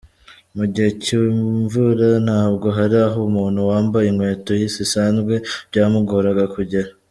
Mu gihe cy’imvura nabwo hari aho umuntu wambaye inkweto zisanzwe byamugoraga kugera.